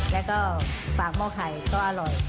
แล้วก็ฝากหม้อไข่ก็อร่อย